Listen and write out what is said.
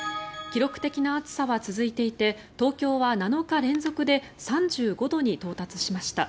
記録的な暑さは続いていて東京は７日連続で３５度に到達しました。